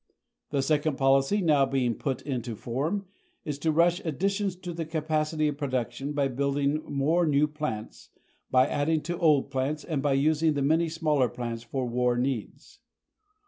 The second policy, now being put into form, is to rush additions to the capacity of production by building more new plants, by adding to old plants, and by using the many smaller plants for war needs.